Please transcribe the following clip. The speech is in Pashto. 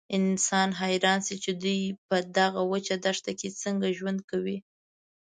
انسان حیران شي چې دوی په دغه وچه دښته کې څنګه ژوند کوي.